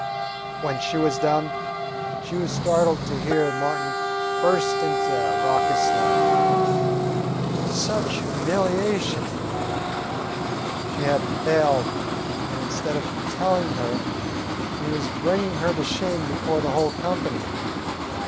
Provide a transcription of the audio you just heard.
When she was done, she was startled to hear Martin burst into a raucous laugh. Such humiliation! She had failed, and instead of telling her, he was bringing her to shame before the whole company.